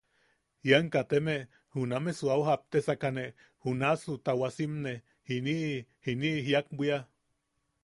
“ien kaateme, junamesu au japtesakane, junaʼusu tawasimmne jiniʼi... jiniʼi jiak bwia”.